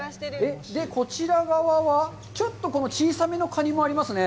こちら側にはちょっとこの小さめのカニもありますね。